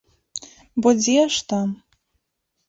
Бо дзе ж там!